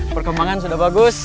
perkembangan sudah bagus